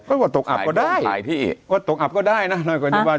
ก็ว่าตกอับก็ได้ขายพี่ว่าตกอับก็ได้น่ะหน่อยกว่านี้ว่า